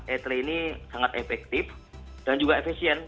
etle ini sangat efektif dan juga efisien